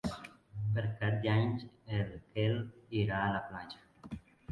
Per Cap d'Any en Quel irà a la platja.